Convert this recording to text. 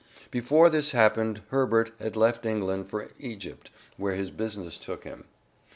Before this happened Herbert had left England for Egypt where his business took him.